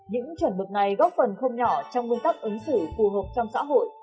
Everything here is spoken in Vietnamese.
những trận bực này góp phần không nhỏ trong nguyên tắc ứng xử phù hợp trong xã hội